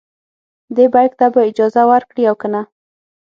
دې بیک ته به اجازه ورکړي او کنه.